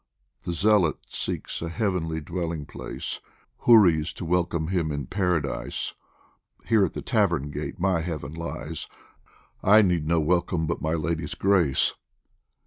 The Zealot seeks a heavenly dwelling place, Huris to welcome him in Paradise ; Here at the tavern gate my heaven lies, I need no welcome but my lady's grace.